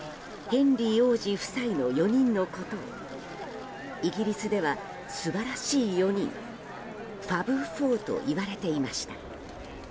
ヘンリー王子夫妻の４人のことをイギリスでは素晴らしい４人Ｆａｂ４と言われていました。